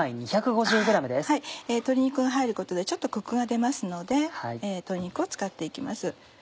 鶏肉が入ることでちょっとコクが出ますので鶏肉を使って行きます。